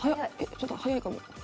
ちょっと早いかも。